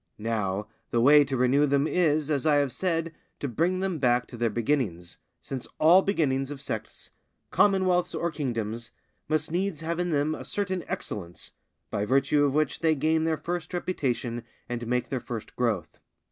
Now the way to renew them is, as I have said, to bring them back to their beginnings, since all beginnings of sects, commonwealths, or kingdoms must needs have in them a certain excellence, by virtue of which they gain their first reputation and make their first growth.